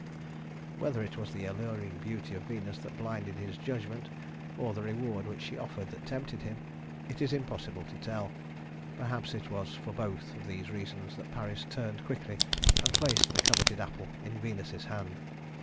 Whether it was the alluring beauty of Venus that blinded his judgment, or the reward which she offered that tempted him, it is impossible to tell. Perhaps it was for both of these reasons that Paris turned quickly and placed the coveted apple in Venus's hand.